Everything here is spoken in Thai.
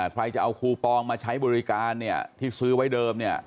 ใครจะเอาคูปองมาใช้บริการที่ซื้อไว้เดิม